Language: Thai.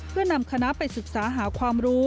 เพื่อนำคณะไปศึกษาหาความรู้